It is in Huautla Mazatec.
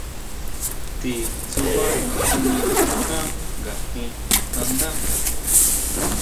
Ti tsuba tsinina jan nga jín nandá.